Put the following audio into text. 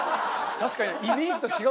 確かに。